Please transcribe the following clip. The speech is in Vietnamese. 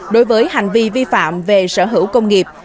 đối với hành vi vi phạm về sở hữu công nghiệp